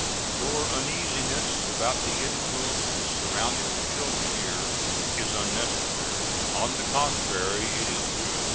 Your uneasiness about the influences surrounding the children here is unnecessary. On the contrary it is good.